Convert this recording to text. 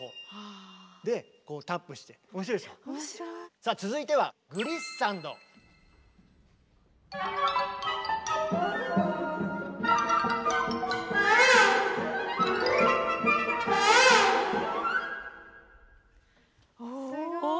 さあ続いてはすごい。